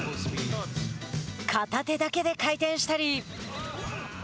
片手だけで回転したり。